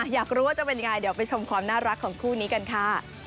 อยากรู้ว่าจะเป็นยังไงเดี๋ยวไปชมความน่ารักของคู่นี้กันค่ะ